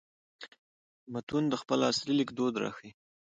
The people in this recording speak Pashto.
متون د خپل عصر لیکدود راښيي.